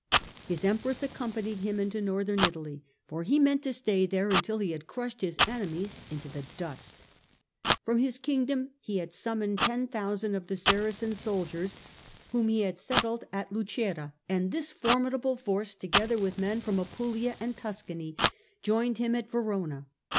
His Empress accompanied him into Northern Italy, for he meant to stay there until he had crushed his enemies into the dust. From his Kingdom he had sum moned ten thousand of the Saracen soldiers whom he had THE CONQUEROR 151 settled at Lucera, and this formidable force, together with men from Apulia and Tuscany, joined him at Verona.